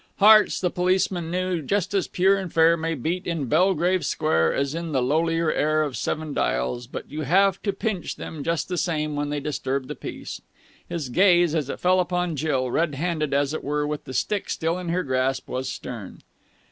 Hearts, the policeman knew, just as pure and fair may beat in Belgrave Square as in the lowlier air of Seven Dials, but you have to pinch them just the same when they disturb the peace. His gaze, as it fell upon Jill, red handed as it were with the stick still in her grasp, was stern.